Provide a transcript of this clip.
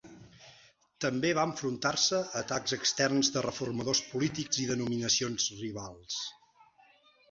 També va enfrontar-se a atacs externs de reformadors polítics i denominacions rivals.